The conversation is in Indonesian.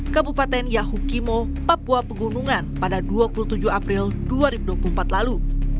kabupaten yahukimo papua pegunungan pada dua puluh tujuh april dua ribu dua puluh empat lalu